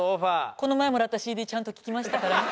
この前もらったＣＤちゃんと聴きましたからね。